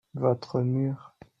votre mur.